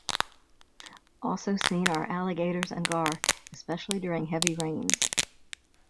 Also seen are alligators and gar, especially during heavy rains.